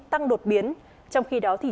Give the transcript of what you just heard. tăng đột biến trong khi đó thì